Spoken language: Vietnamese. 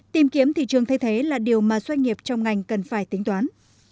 tìm kiếm thị trường thay thế là điều mà doanh nghiệp trong ngành cần phải tính toán